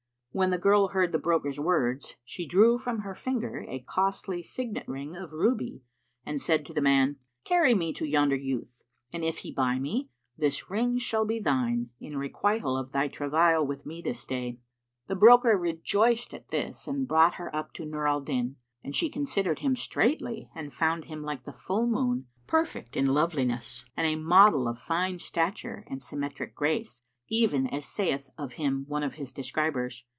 When the girl heard the broker's words, she drew from her finger a costly signet ring of ruby and said to the man, "Carry me to yonder youth, and if he buy me, this ring shall be thine, in requital of thy travail with me this day." The broker rejoiced at this and brought her up to Nur al Din, and she considered him straitly and found him like the full moon, perfect in loveliness and a model of fine stature and symmetric grace, even as saith of him one of his describers.